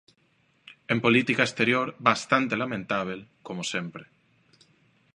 En política exterior, bastante lamentábel, como sempre.